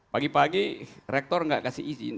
pagi pagi rektor nggak kasih izin